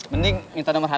mending minta nomor hpnya aja